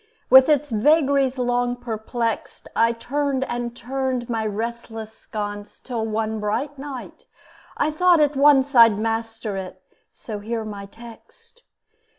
With its vagaries long perplext, I turned and turned my restless sconce, Till one bright night, I thought at once I'd master it; so hear my text!